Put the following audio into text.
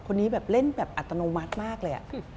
คนนี้แบบเล่นแบบอัตโนมัติมากเลย